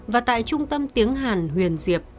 và tại trung tâm tiếng hàn huyền diệp